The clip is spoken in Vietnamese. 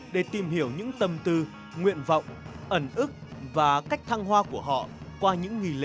để tìm hiểu những tâm tư nguyện vọng ẩn ức và cách thăng hoa của họ qua những nghỉ lễ